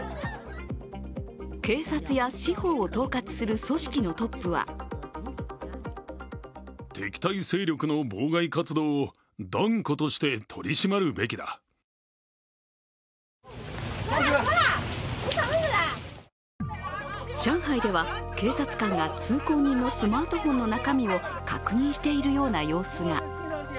警察や司法を統括する組織のトップは上海では警察官が通行人のスマートフォンの中身を確認しているような様子が。